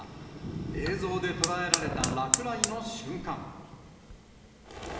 映像で捉えられた落雷の瞬間。